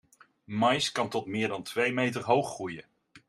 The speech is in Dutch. Maïs kan tot meer dan twee meter hoog groeien.